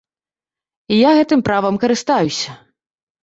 І я гэтым правам карыстаюся.